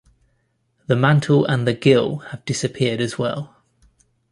The mantle and the gill have disappeared as well.